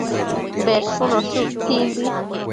Bedshunoshi utsimbi